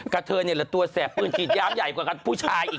เธอนี่แหละตัวแสบปืนฉีดยามใหญ่กว่ากันผู้ชายอีก